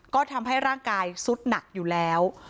ก็ทำให้ร่างกายสุดหนักอยู่แล้ว